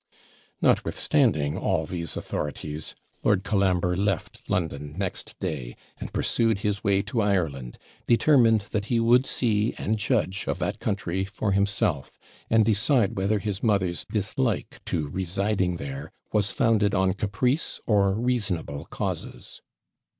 Notwithstanding all these authorities, Lord Colambre left London next day, and pursued his way to Ireland, determined that he would see and judge of that country for himself, and decide whether his mother's dislike to residing there was founded on caprice or reasonable causes.